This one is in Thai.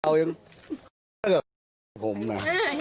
เจ้าไว่ก่อนพูดทำพูดเรื่องโอ้โฮเอาเองผมน่ะอ่า